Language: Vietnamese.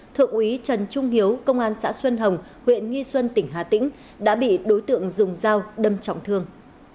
thượng úy trần trung hiếu công an xã xuân hồng huyện nghi xuân tỉnh hà tĩnh đã bị đối tượng dùng dao đâm trọng thương